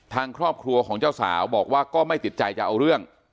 ทางครอบครัวของเจ้าสาวบอกว่าก็ไม่ติดใจจะเอาเรื่อง